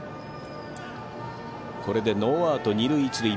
これでノーアウト二塁一塁。